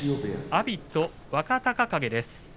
阿炎と若隆景です。